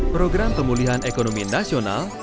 program pemulihan ekonomi nasional